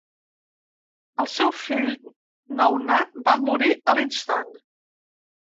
El seu fill nou nat va morir a l'instant.